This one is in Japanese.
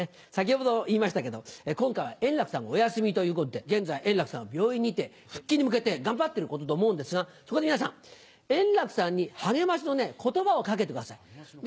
先ほども言いましたけど、今回は円楽さんがお休みということで、現在、円楽さんは病院にて、復帰に向けて頑張っていることだと思うんですが、そこで皆さん、円楽さんに励ましのことばをかけてください。